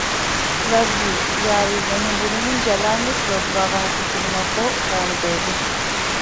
ލަވް ޔޫ ޔާރިން އެހެން ބުނުމުން ޖަލާންވެސް ލޯބިވާ ވާހަކަ ބުނުމަށްފަހު ފޯނު ބޭއްވި